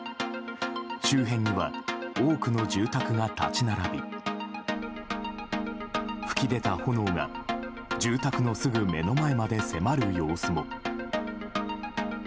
周辺には多くの住宅が立ち並び噴き出た炎が住宅のすぐ目の前まで迫る様子も。